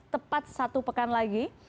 tepat satu pekan lagi